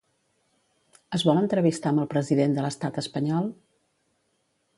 Es vol entrevistar amb el president de l'estat espanyol?